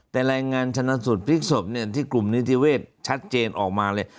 แต่รายงานชนะสูตรพลิกศพที่กลุ่มนิติเวศชัดเจนออกมาเลย